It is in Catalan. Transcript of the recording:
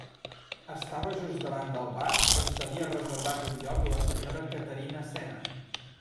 Estava just davant del vas on s'havia reservat un lloc la senyora Caterina Cena.